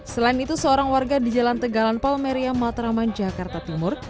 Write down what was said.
selain itu seorang warga di jalan tegalan palmeria matraman jakarta timur